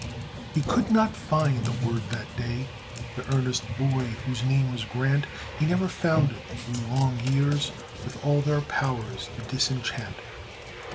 He could not find the word that day, The earnest boy whose name was Grant; He never found it through long years, With all their power to disenchant.